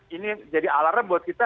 ini jadi alarm buat kita